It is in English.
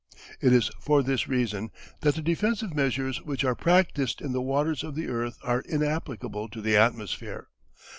It is for this reason that the defensive measures which are practised in the waters of the earth are inapplicable to the atmosphere.